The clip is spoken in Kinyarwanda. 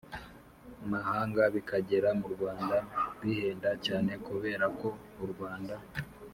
mahanga bikagera mu rwanda bihenda cyane kubera ko u rwanda